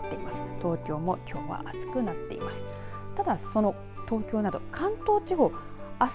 東京もきょうは暑くなっています。